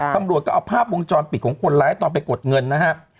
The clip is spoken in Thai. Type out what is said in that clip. ตำรวจก็เอาภาพวงจรปิดของคนร้ายตอนไปกดเงินนะครับ